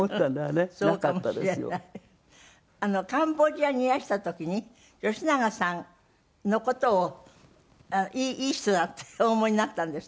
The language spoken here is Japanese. カンボジアにいらした時に吉永さんの事をいい人だってお思いになったんですって？